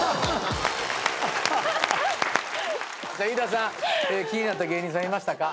飯田さん気になった芸人さんいましたか？